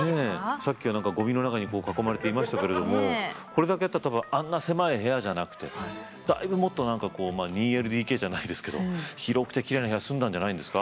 さっきは何かゴミの中に囲まれていましたけれどもこれだけあったら多分あんな狭い部屋じゃなくてだいぶもっと何かこう２ＬＤＫじゃないですけど広くてきれいな部屋住んだんじゃないんですか。